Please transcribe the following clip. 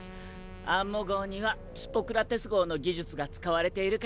アンモ号にはヒポクラテス号の技術が使われているからね。